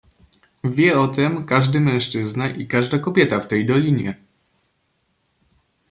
"Wie o tem każdy mężczyzna i każda kobieta w tej dolinie."